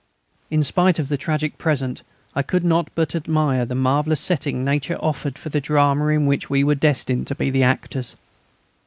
In spite of the tragic present I could not but admire the marvellous setting Nature offered for the drama in which we were destined to be the actors.